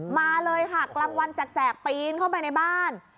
มาเลยค่ะกลางวันแสกปีนเข้าไปในบ้าน